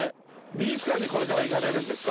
美術館にこれから行かれるんですか？